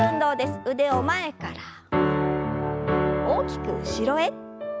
腕を前から大きく後ろへ。